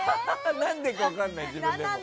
何でか分からないけど。